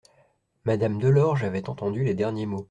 Madame Delorge avait entendu les derniers mots.